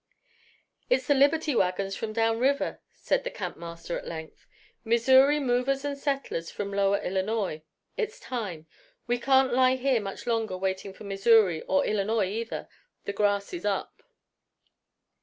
"It's the Liberty wagons from down river," said the campmaster at length. "Missouri movers and settlers from lower Illinois. It's time. We can't lie here much longer waiting for Missouri or Illinois, either. The grass is up."